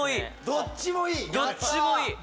どっちもいい！